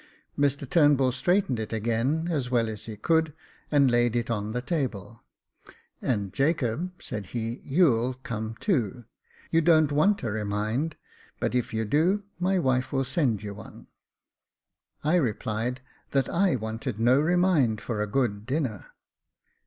Mr Turnbull straightened it again as well as he could, and laid it on the table. " And Jacob," said he, " you'll come too. You don't want a remind j but if you do, my wife will send you one." 132 Jacob Faithful I replied, " that I wanted no remind for a good dinner."